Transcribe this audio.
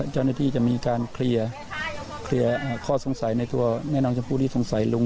เจ้าหน้าที่จะมีการเคลียร์ข้อสงสัยในตัวแม่น้องชมพู่ที่สงสัยลุง